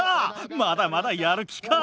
まだまだやる気か！